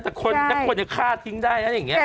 แต่คนไปก็คาดทิ้งได้แล้วอย่างนี้ใช่